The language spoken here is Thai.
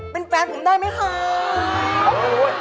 เป็นแฟนผมได้ไหมโอ้ว